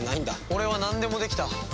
俺はなんでもできた。